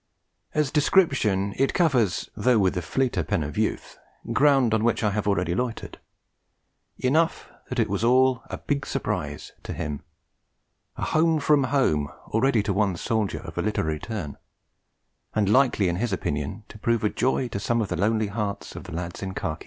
As description it covers, though with the fleeter pen of youth, ground on which I have already loitered: enough that it was all 'a big surprise' to him: 'a "home from home"' already to one soldier of a literary turn, and likely in his opinion to prove a joy to 'some of the lonely hearts of the lads in khaki.'